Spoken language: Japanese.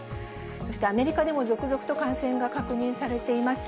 そしてアメリカでも続々と感染が確認されています。